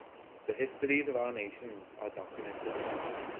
The histories of our nations are documented.